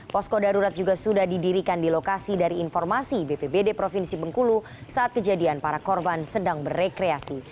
posko darurat juga sudah didirikan di lokasi dari informasi bpbd provinsi bengkulu saat kejadian para korban sedang berekreasi